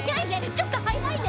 ちょっと速いね。